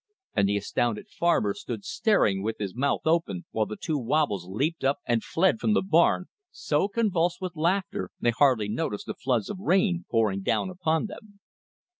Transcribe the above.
And the astounded farmer stood staring with his mouth open, while the two "wobbles" leaped up and fled from the barn, so convulsed with laughter they hardly noticed the floods of rain pouring down upon them.